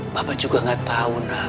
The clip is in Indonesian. bapak juga nggak tahu nak